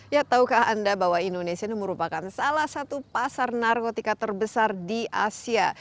ya tahukah anda bahwa indonesia ini merupakan salah satu pasar narkotika terbesar di asia